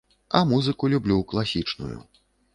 А музыку люблю класічную.